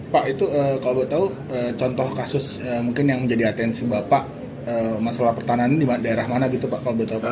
pak itu kalau saya tahu contoh kasus mungkin yang menjadi atensi bapak masalah pertahanan di daerah mana gitu pak